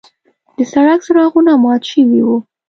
د سړک څراغونه مات شوي وو.